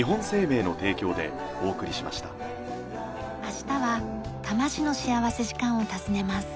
明日は多摩市の幸福時間を訪ねます。